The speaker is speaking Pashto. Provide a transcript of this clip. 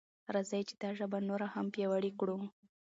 راځئ چې دا ژبه نوره هم پیاوړې کړو.